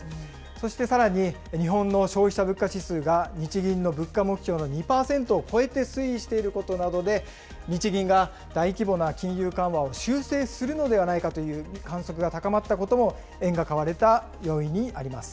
そしてさらに、日本の消費者物価指数が日銀の物価目標の２％を超えて推移していることなどで、日銀が大規模な金融緩和を修正するのではないかという観測が高まったことも円が買われた要因にあります。